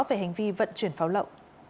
về hành vi vận chuyển pháo lộ